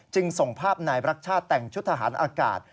ส่งภาพนายรักชาติแต่งชุดทหารอากาศ